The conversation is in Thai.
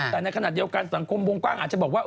แต่ในขณะเดียวกันสังคมวงกว้างอาจจะบอกว่า